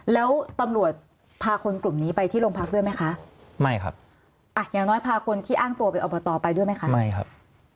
แล้วตำรวจพาคนกลุ่มนี้ไปที่โรงพักด้วยไหมคะไม่ครับอ่ะอย่างน้อยพาคนที่อ้างตัวเป็นอบตไปด้วยไหมคะไม่ครับ